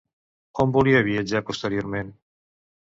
On volia viatjar posteriorment?